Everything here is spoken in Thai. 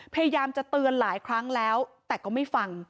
พยายามจะเตือนหลายครั้งแล้วแต่ก็ไม่ฟัง